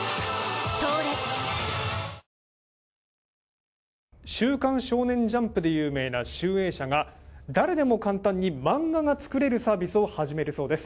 東レ「週刊少年ジャンプ」で有名な集英社が誰でも簡単にマンガが作れるサービスをはじめるそうです。